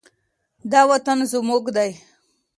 دا وطن زموږ دی.